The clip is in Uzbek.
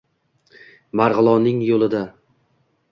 …Margʼilonning yoʼlida